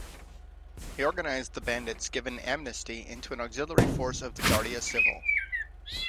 He organized the bandits given amnesty into an auxiliary force of the Guardia Civil.